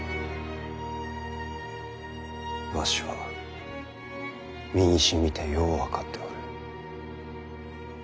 わしは身にしみてよう分かっておる。